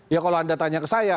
ya kalau anda tanya ke saya